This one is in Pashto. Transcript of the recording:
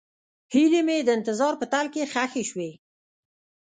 هیلې مې د انتظار په تل کې ښخې شوې.